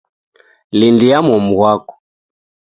Lindia momu ghwako